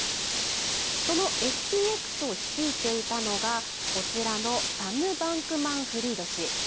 そのＦＴＸを率いていたのがこちらのサム・バンクマンフリード氏。